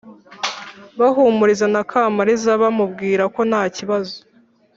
bahumuriza na kamariza bamubwira ko ntakibazo